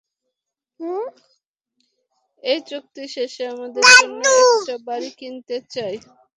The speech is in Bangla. এই চুক্তি শেষে আমাদের জন্য একটা বাড়ি কিনতে চাই।